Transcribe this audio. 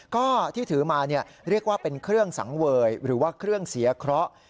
ก็ที่ถือมาเรียกว่าเป็นเครื่องสังเวยหรือว่าเครื่องเสียเคราะห์